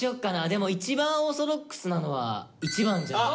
でも一番オーソドックスなのは１番じゃない？